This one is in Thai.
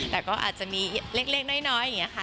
แต่ก็อาจจะมีเล็กน้อยอย่างนี้ค่ะ